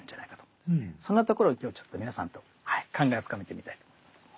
そんなところを今日ちょっと皆さんと考えを深めてみたいと思います。